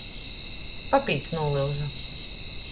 Papīds nūlyuza.